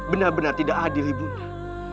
benar benar tidak adil ibu nda